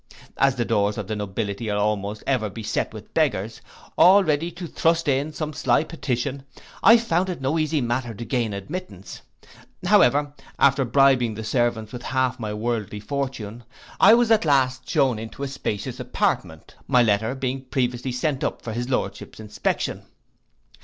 As the doors of the nobility are almost ever beset with beggars, all ready to thrust in some sly petition, I found it no easy matter to gain admittance. However, after bribing the servants with half my worldly fortune, I was at last shewn into a spacious apartment, my letter being previously sent up for his lordship's inspection.